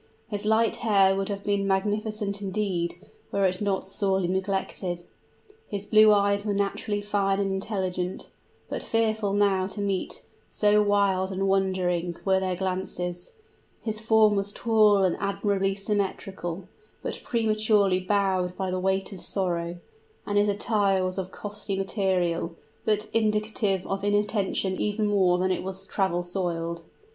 His light hair would have been magnificent indeed, were it not sorely neglected; his blue eyes were naturally fine and intelligent, but fearful now to meet, so wild and wandering were their glances: his form was tall and admirably symmetrical, but prematurely bowed by the weight of sorrow, and his attire was of costly material, but indicative of inattention even more than it was travel soiled.